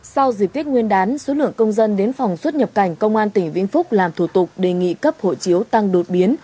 sau dịp tết nguyên đán số lượng công dân đến phòng xuất nhập cảnh công an tỉnh vĩnh phúc làm thủ tục đề nghị cấp hộ chiếu tăng đột biến